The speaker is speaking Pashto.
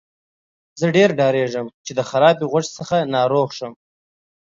زه ډیر ډاریږم چې د خرابې غوښې څخه ناروغه شم.